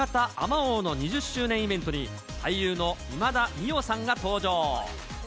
まおうの２０周年イベントに、俳優の今田美桜さんが登場。